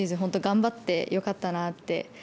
本当頑張ってよかったなって